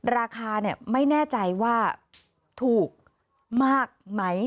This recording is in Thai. ราคาไม่แน่ใจว่าถูกมากไหม